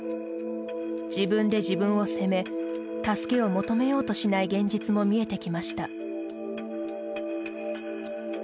自分で自分を責め助けを求めようとしない現実も見えてきました。